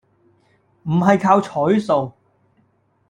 唔係靠彩數